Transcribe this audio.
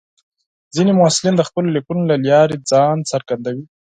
ځینې محصلین د خپلو لیکنو له لارې ځان څرګندوي.